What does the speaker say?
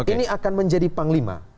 ini akan menjadi panglima